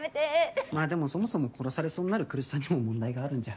まあでもそもそも殺されそうになる来栖さんにも問題があるんじゃ。